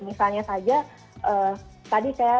misalnya saja tadi saya